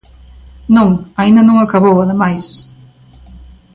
Non, aínda non acabou, ademais.